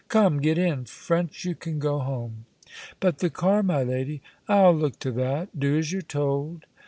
Come, get in. French, you can go home." "But the car, my lady?" "I'll look to that. Do as you're told."